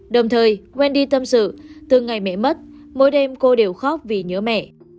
đồng thời wendy tâm sự từ ngày mẹ mất mỗi đêm cô đều khóc vì nhớ mẹ